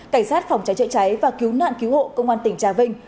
cảnh sát phòng cháy chữa cháy và cứu nạn cứu hộ công an tỉnh trà vinh